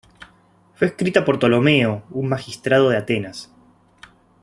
Fue escrita por Ptolomeo, un magistrado de Atenas.